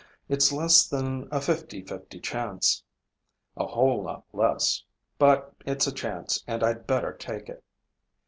It's less than a fifty fifty chance. A whole lot less. But it's a chance and I'd better take it."